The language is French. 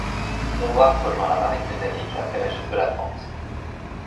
Howarth rejoint la marine britannique après la chute de la France.